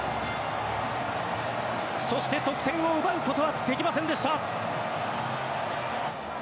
そして得点を奪うことはできませんでした。